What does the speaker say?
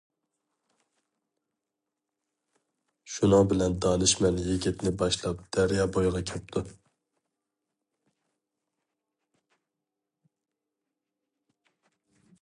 شۇنىڭ بىلەن دانىشمەن يىگىتنى باشلاپ دەريا بويىغا كەپتۇ.